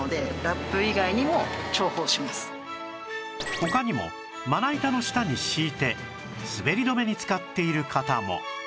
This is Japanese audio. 他にもまな板の下に敷いて滑り止めに使っている方も